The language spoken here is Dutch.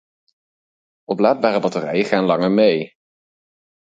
Oplaadbare batterijen gaan langer mee